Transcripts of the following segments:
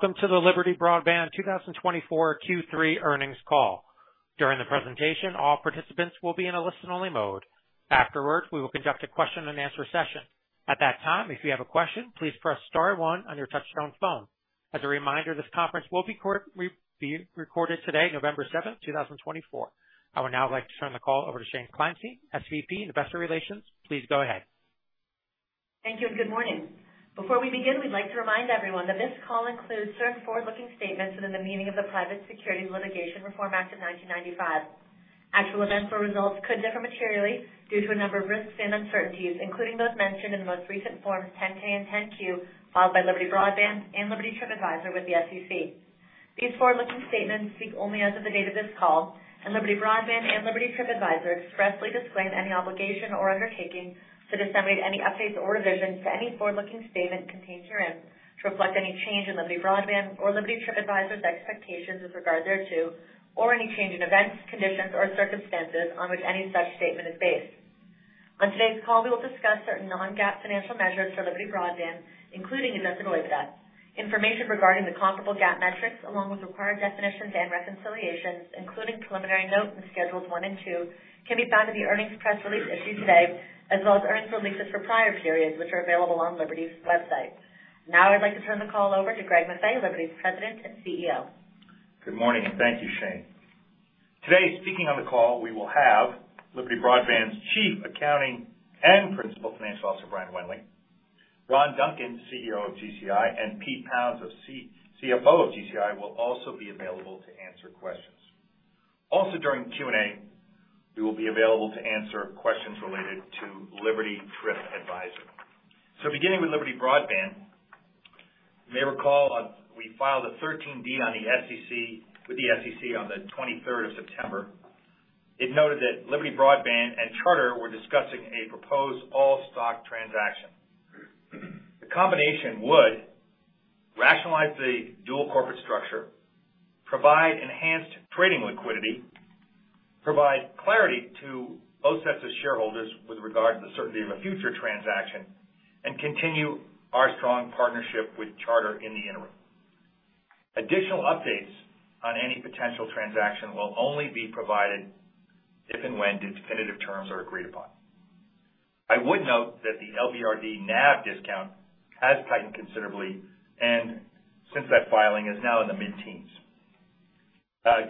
Welcome to the Liberty Broadband 2024 Q3 earnings call. During the presentation, all participants will be in a listen-only mode. Afterward, we will conduct a question-and-answer session. At that time, if you have a question, please press star one on your touch-tone phone. As a reminder, this conference will be recorded today, November 7th, 2024. I would now like to turn the call over to Shane Kleinstein, SVP Investor Relations. Please go ahead. Thank you, and good morning. Before we begin, we'd like to remind everyone that this call includes certain forward-looking statements within the meaning of the Private Securities Litigation Reform Act of 1995. Actual events or results could differ materially due to a number of risks and uncertainties, including those mentioned in the most recent Forms 10-K and 10-Q, filed by Liberty Broadband and Liberty TripAdvisor with the SEC. These forward-looking statements speak only as of the date of this call, and Liberty Broadband and Liberty TripAdvisor expressly disclaim any obligation or undertaking to disseminate any updates or revisions to any forward-looking statement contained herein to reflect any change in Liberty Broadband or Liberty TripAdvisor's expectations with regard thereto, or any change in events, conditions, or circumstances on which any such statement is based. On today's call, we will discuss certain non-GAAP financial measures for Liberty Broadband, including Adjusted EBITDA data. Information regarding the comparable GAAP metrics, along with required definitions and reconciliations, including preliminary note in schedules one and two, can be found in the earnings press release issued today, as well as earnings releases for prior periods, which are available on Liberty's website. Now, I'd like to turn the call over to Greg Maffei, Liberty's President and CEO. Good morning, and thank you, Shane. Today, speaking on the call, we will have Liberty Broadband's Chief Accounting and Principal Financial Officer, Brian Wendling, Ron Duncan, CEO of GCI, and Pete Pounds, CFO of GCI, will also be available to answer questions. Also, during Q&A, we will be available to answer questions related to Liberty TripAdvisor. Beginning with Liberty Broadband, you may recall we filed a 13D with the SEC on the 23rd of September. It noted that Liberty Broadband and Charter were discussing a proposed all-stock transaction. The combination would rationalize the dual corporate structure, provide enhanced trading liquidity, provide clarity to both sets of shareholders with regard to the certainty of a future transaction, and continue our strong partnership with Charter in the interim. Additional updates on any potential transaction will only be provided if and when definitive terms are agreed upon. I would note that the LBRD NAV discount has tightened considerably, and, since that filing, is now in the mid-teens.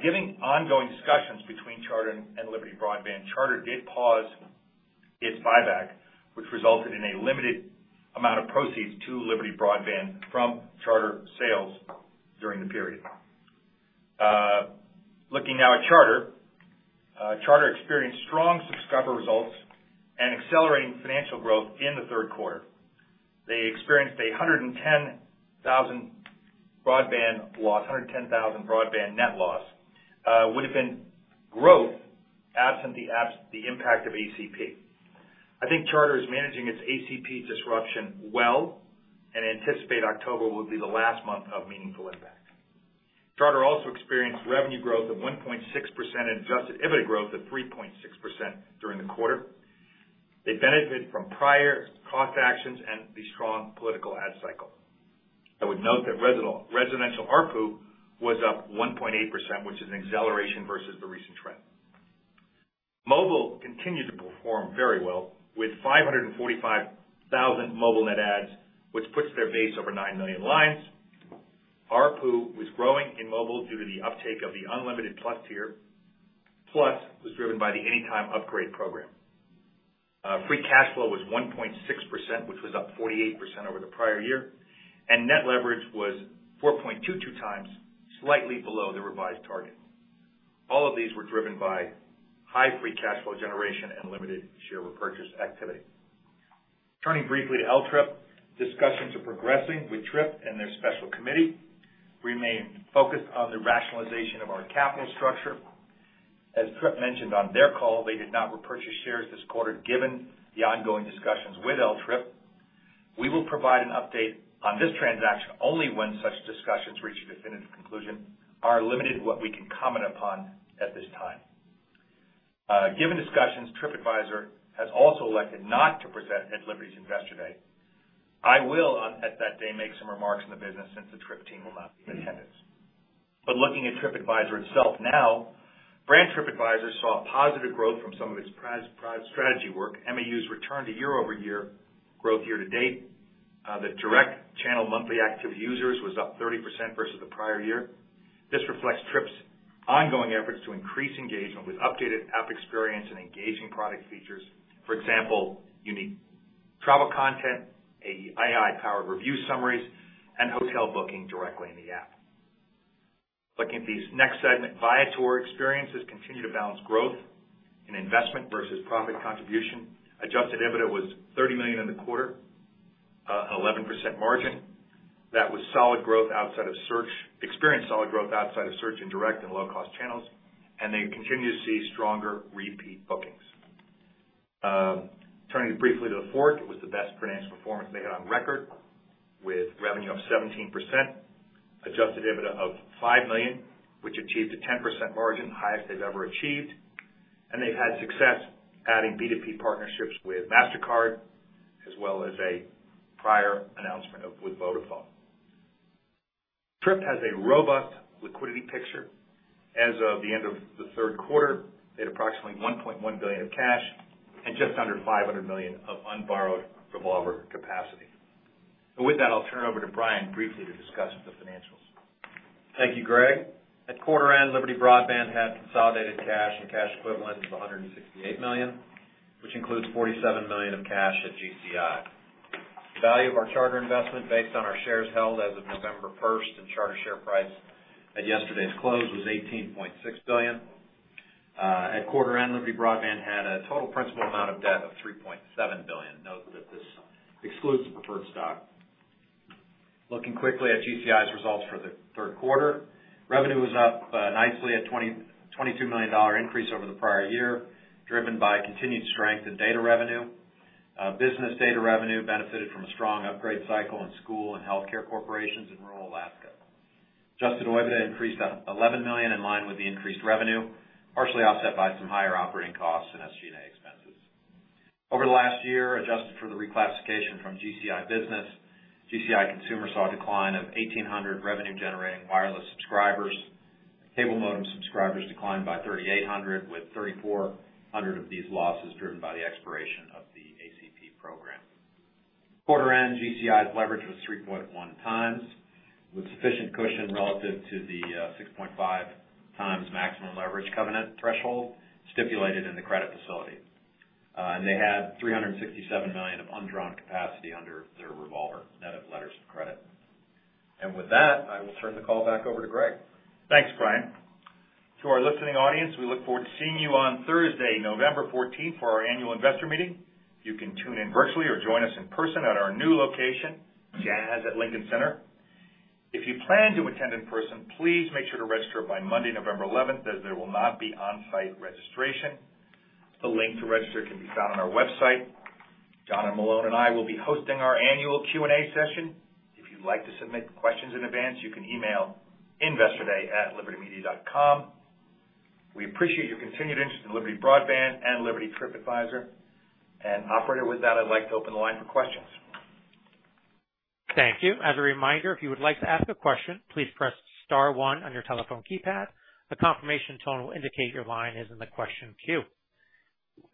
Given ongoing discussions between Charter and Liberty Broadband, Charter did pause its buyback, which resulted in a limited amount of proceeds to Liberty Broadband from Charter sales during the period. Looking now at Charter, Charter experienced strong subscriber results and accelerating financial growth in the third quarter. They experienced a 110,000 broadband loss, 110,000 broadband net loss, would have been growth absent the impact of ACP. I think Charter is managing its ACP disruption well and anticipate October will be the last month of meaningful impact. Charter also experienced revenue growth of 1.6% and Adjusted EBITDA growth of 3.6% during the quarter. They benefited from prior cost actions and the strong political ad cycle. I would note that residential ARPU was up 1.8%, which is an acceleration versus the recent trend. Mobile continued to perform very well with 545,000 mobile net adds, which puts their base over nine million lines. ARPU was growing in mobile due to the uptake of the Unlimited Plus tier. Plus was driven by the Anytime Upgrade program. Free cash flow was 1.6%, which was up 48% over the prior year, and net leverage was 4.22x, slightly below the revised target. All of these were driven by high free cash flow generation and limited share repurchase activity. Turning briefly to LTRIP, discussions are progressing with TRIP and their special committee. We remain focused on the rationalization of our capital structure. As TRIP mentioned on their call, they did not repurchase shares this quarter given the ongoing discussions with LTRIP. We will provide an update on this transaction only when such discussions reach a definitive conclusion. We are limited in what we can comment upon at this time. Given the discussions, TripAdvisor has also elected not to present at Liberty's Investor Day. I will, at that day, make some remarks on the business since the TripAdvisor team will not be in attendance. But looking at TripAdvisor itself now, brand TripAdvisor saw positive growth from some of its prior strategy work. MAUs returned to year-over-year growth year to date. The direct channel monthly active users were up 30% versus the prior year. This reflects TripAdvisor's ongoing efforts to increase engagement with updated app experience and engaging product features, for example, unique travel content, AI-powered review summaries, and hotel booking directly in the app. Looking at the next segment, Viator experiences continue to balance growth in investment versus profit contribution. Adjusted EBITDA was $30 million in the quarter, an 11% margin. That was solid growth outside of search and direct and low-cost channels, and they continue to see stronger repeat bookings. Turning briefly to TheFork, it was the best financial performance they had on record with revenue of 17%, adjusted EBITDA of $5 million, which achieved a 10% margin, highest they've ever achieved, and they've had success adding B2B partnerships with Mastercard as well as a prior announcement of with Vodafone. TRIP has a robust liquidity picture. As of the end of the third quarter, they had approximately $1.1 billion of cash and just under $500 million of unborrowed revolver capacity. With that, I'll turn it over to Brian briefly to discuss the financials. Thank you, Greg. At quarter end, Liberty Broadband had consolidated cash and cash equivalent of $168 million, which includes $47 million of cash at GCI. The value of our Charter investment based on our shares held as of November 1st and Charter share price at yesterday's close was $18.6 billion. At quarter end, Liberty Broadband had a total principal amount of debt of $3.7 billion. Note that this excludes the preferred stock. Looking quickly at GCI's results for the third quarter, revenue was up nicely at a $22 million increase over the prior year, driven by continued strength in data revenue. Business data revenue benefited from a strong upgrade cycle in school and healthcare corporations in rural Alaska. Adjusted EBITDA increased to $11 million in line with the increased revenue, partially offset by some higher operating costs and SG&A expenses. Over the last year, adjusted for the reclassification from GCI business, GCI consumer saw a decline of 1,800 revenue-generating wireless subscribers. Cable modem subscribers declined by 3,800, with 3,400 of these losses driven by the expiration of the ACP program. Quarter end, GCI's leverage was 3.1 times, with sufficient cushion relative to the 6.5x maximum leverage covenant threshold stipulated in the credit facility. And they had $367 million of undrawn capacity under their revolver net of letters of credit. And with that, I will turn the call back over to Greg. Thanks, Brian. To our listening audience, we look forward to seeing you on Thursday, November 14th, for our annual investor meeting. You can tune in virtually or join us in person at our new location, Jazz at Lincoln Center. If you plan to attend in person, please make sure to register by Monday, November 11th, as there will not be on-site registration. The link to register can be found on our website. John Malone and I will be hosting our annual Q&A session. If you'd like to submit questions in advance, you can email investorday@libertymedia.com. We appreciate your continued interest in Liberty Broadband and Liberty TripAdvisor. And with that, I'd like to open the line for questions. Thank you. As a reminder, if you would like to ask a question, please press star one on your telephone keypad. A confirmation tone will indicate your line is in the question queue.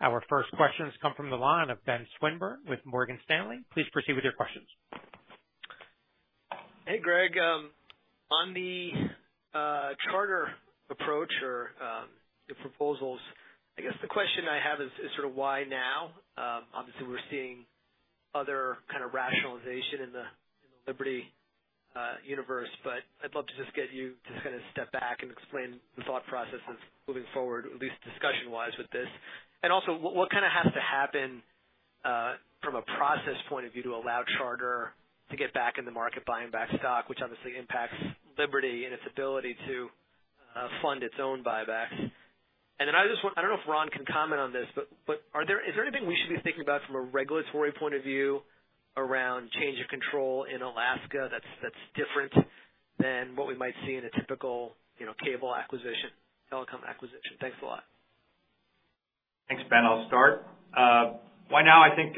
Our first questions come from the line of Ben Swinburne with Morgan Stanley. Please proceed with your questions. Hey, Greg. On the Charter approach or the proposals, I guess the question I have is sort of why now? Obviously, we're seeing other kind of rationalization in the Liberty universe, but I'd love to just get you to kind of step back and explain the thought process of moving forward, at least discussion-wise, with this. And also, what kind of has to happen from a process point of view to allow Charter to get back in the market buying back stock, which obviously impacts Liberty and its ability to fund its own buybacks? And then I just want - I don't know if Ron can comment on this, but is there anything we should be thinking about from a regulatory point of view around change of control in Alaska that's different than what we might see in a typical cable acquisition, telecom acquisition? Thanks a lot. Thanks, Ben. I'll start. Right now, I think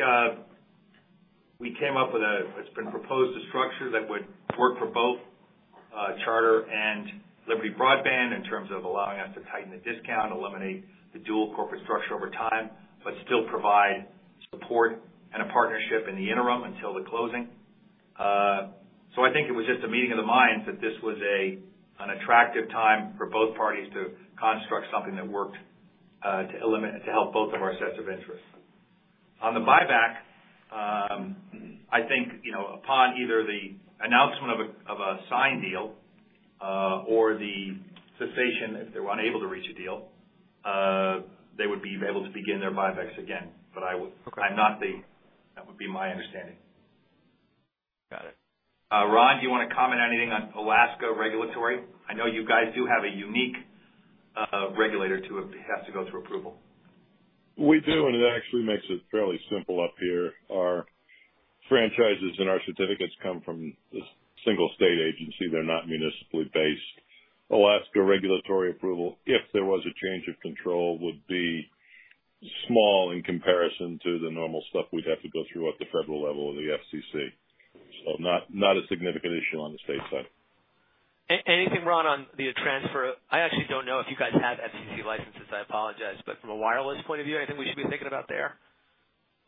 we came up with. It's been proposed a structure that would work for both Charter and Liberty Broadband in terms of allowing us to tighten the discount, eliminate the dual corporate structure over time, but still provide support and a partnership in the interim until the closing. So I think it was just a meeting of the minds that this was an attractive time for both parties to construct something that worked to help both of our sets of interests. On the buyback, I think upon either the announcement of a signed deal or the cessation, if they were unable to reach a deal, they would be able to begin their buybacks again. But that would be my understanding. Got it. Ron, do you want to comment on anything on Alaska regulatory? I know you guys do have a unique regulator to have to go through approval. We do, and it actually makes it fairly simple up here. Our franchises and our certificates come from a single state agency. They're not municipally based. Alaska regulatory approval, if there was a change of control, would be small in comparison to the normal stuff we'd have to go through at the federal level of the FCC. So not a significant issue on the state side. Anything, Ron, on the transfer? I actually don't know if you guys have FCC licenses. I apologize. But from a wireless point of view, anything we should be thinking about there?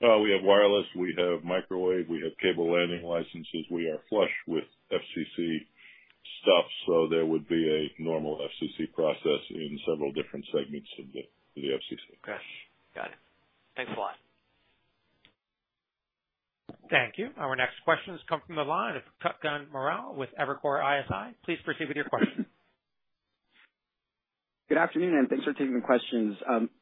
We have wireless. We have microwave. We have cable landing licenses. We are flush with FCC stuff, so there would be a normal FCC process in several different segments of the FCC. Okay. Got it. Thanks a lot. Thank you. Our next questions come from the line of Kutgun Maral with Evercore ISI. Please proceed with your question. Good afternoon, and thanks for taking the questions.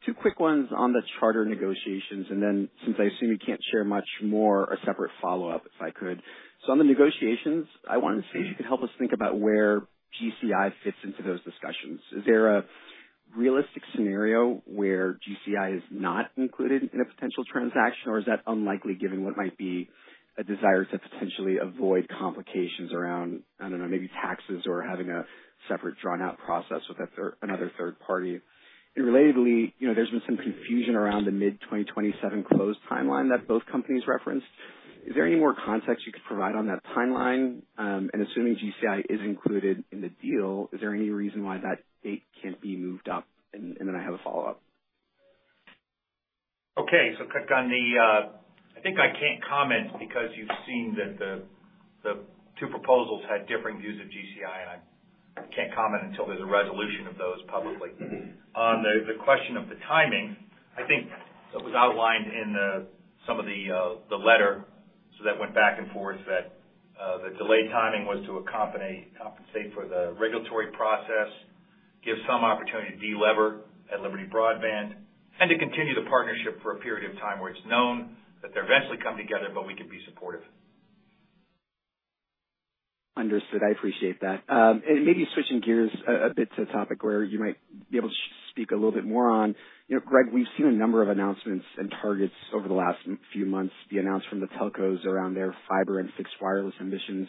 Two quick ones on the Charter negotiations, and then since I assume you can't share much more, a separate follow-up, if I could. So on the negotiations, I wanted to see if you could help us think about where GCI fits into those discussions. Is there a realistic scenario where GCI is not included in a potential transaction, or is that unlikely given what might be a desire to potentially avoid complications around, I don't know, maybe taxes or having a separate drawn-out process with another third party? And relatedly, there's been some confusion around the mid-2027 close timeline that both companies referenced. Is there any more context you could provide on that timeline? And assuming GCI is included in the deal, is there any reason why that date can't be moved up? And then I have a follow-up. Okay. Kutgun, I think I can't comment because you've seen that the two proposals had differing views of GCI, and I can't comment until there's a resolution of those publicly. On the question of the timing, I think it was outlined in some of the letter, so that went back and forth, that the delayed timing was to compensate for the regulatory process, give some opportunity to deliver at Liberty Broadband, and to continue the partnership for a period of time where it's known that they're eventually coming together, but we could be supportive. Understood. I appreciate that. And maybe switching gears a bit to a topic where you might be able to speak a little bit more on, Greg, we've seen a number of announcements and targets over the last few months, the announcement from the telcos around their fiber and fixed wireless ambitions.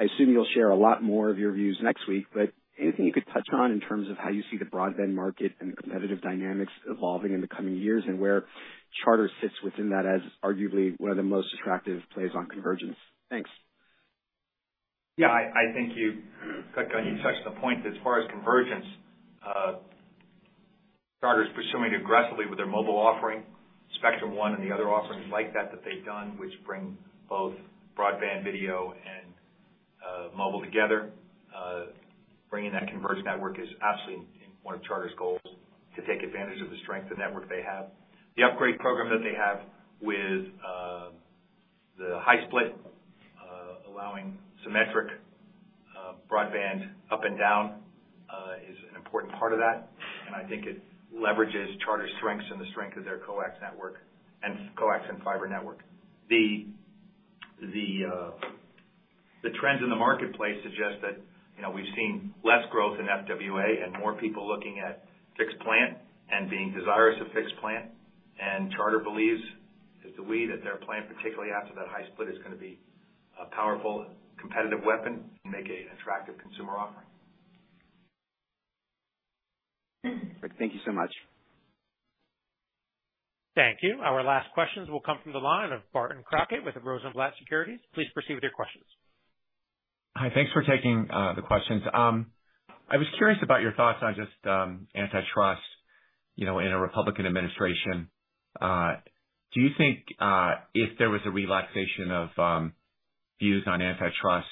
I assume you'll share a lot more of your views next week, but anything you could touch on in terms of how you see the broadband market and competitive dynamics evolving in the coming years and where Charter sits within that as arguably one of the most attractive plays on convergence? Thanks. Yeah. I think you, Kutgun, you touched the point. As far as convergence, Charter is pursuing it aggressively with their mobile offering, Spectrum One, and the other offerings like that that they've done, which bring both broadband, video, and mobile together. Bringing that converged network is absolutely one of Charter's goals to take advantage of the strength of the network they have. The upgrade program that they have with the High-Split, allowing symmetric broadband up and down, is an important part of that. And I think it leverages Charter's strengths and the strength of their coax network and coax and fiber network. The trends in the marketplace suggest that we've seen less growth in FWA and more people looking at fixed plant and being desirous of fixed plant. Charter believes, as do we, that their plant, particularly after that High Split, is going to be a powerful competitive weapon and make an attractive consumer offering. Thank you so much. Thank you. Our last questions will come from the line of Barton Crockett with Rosenblatt Securities. Please proceed with your questions. Hi. Thanks for taking the questions. I was curious about your thoughts on just antitrust in a Republican administration. Do you think if there was a relaxation of views on antitrust,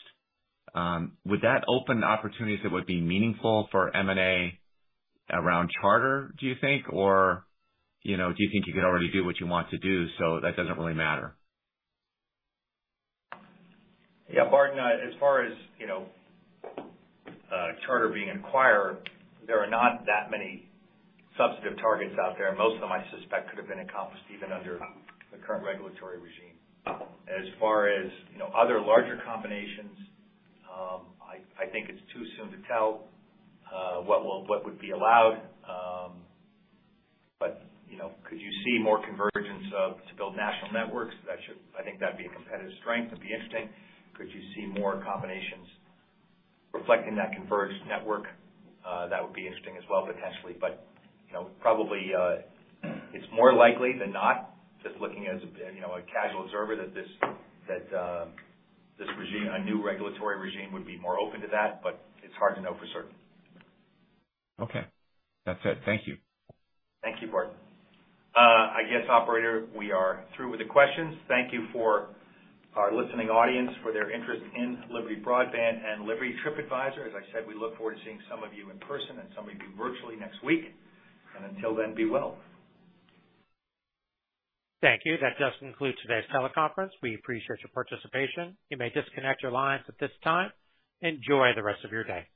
would that open opportunities that would be meaningful for M&A around Charter, do you think, or do you think you could already do what you want to do so that doesn't really matter? Yeah. Barton, as far as Charter being an acquirer, there are not that many substantive targets out there. Most of them, I suspect, could have been accomplished even under the current regulatory regime. As far as other larger combinations, I think it's too soon to tell what would be allowed. But could you see more convergence to build national networks? I think that'd be a competitive strength. It'd be interesting. Could you see more combinations reflecting that converged network? That would be interesting as well, potentially. But probably it's more likely than not, just looking as a casual observer, that this new regulatory regime would be more open to that, but it's hard to know for certain. Okay. That's it. Thank you. Thank you, Barton. I guess, Operator, we are through with the questions. Thank you for our listening audience for their interest in Liberty Broadband and Liberty TripAdvisor. As I said, we look forward to seeing some of you in person and some of you virtually next week. And until then, be well. Thank you. That does conclude today's teleconference. We appreciate your participation. You may disconnect your lines at this time. Enjoy the rest of your day.